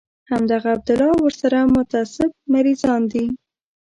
همدغه عبدالله او ورسره متعصب مريضان دي.